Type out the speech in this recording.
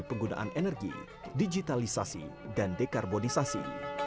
penggunaan energi digitalisasi dan dekarbonisasi